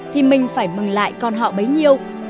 thì mình phải mừng lại con họ bấy nhiêu